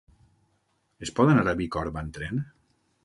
Es pot anar a Bicorb amb tren?